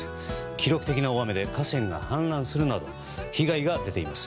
記録的な大雨で河川が氾濫するなど被害が出ています。